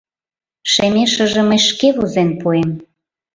— Шемешыже мый шке возен пуэм.